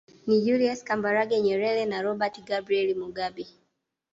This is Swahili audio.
Ni Julius Kambarage Nyerere na Robert Gabriel Mugabe